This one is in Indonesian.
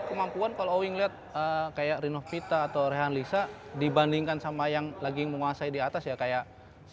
tapi kalau dari kemampuan kalo owi ngeliat kayak rinovita atau rehan lisa dibandingkan sama yang lagi menguasai diatas ya kayak si